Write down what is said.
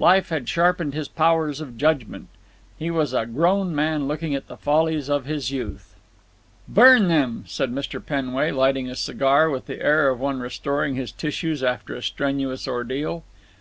Life had sharpened his powers of judgment. He was a grown man looking at the follies of his youth. "Burn them!" said Mr. Penway, lighting a cigar with the air of one restoring his tissues after a strenuous ordeal.